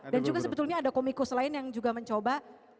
dan juga sebetulnya ada komikus lain yang juga mencoba